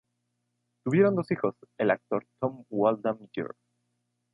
Tuvieron dos hijos: el actor Tom Waldman Jr.